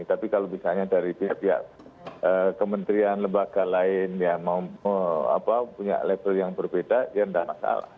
tapi kalau misalnya dari pihak pihak kementerian lembaga lain ya punya label yang berbeda ya tidak masalah